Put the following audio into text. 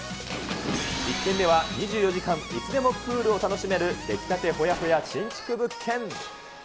１軒目は２４時間いつでもプールを楽しめる、出来たてほやほや新築物件。